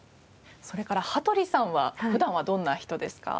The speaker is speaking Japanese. それから羽鳥さんは普段はどんな人ですか？